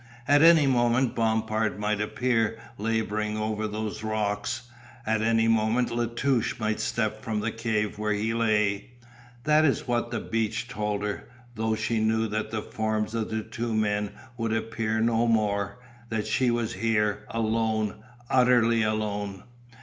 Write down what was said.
At any moment Bompard might appear labouring over those rocks, at any moment La Touche might step from the cave where he lay. That is what the beach told her, though she knew that the forms of the two men would appear no more; that she was here alone, utterly alone.